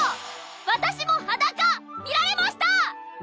私も裸見られました！